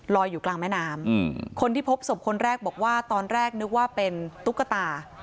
อยู่กลางแม่น้ำคนที่พบศพคนแรกบอกว่าตอนแรกนึกว่าเป็นตุ๊กตา